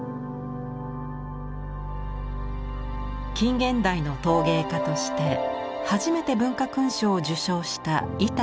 近現代の陶芸家として初めて文化勲章を受章した板谷波山。